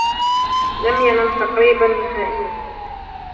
لم ينم تقريبا نهائياً.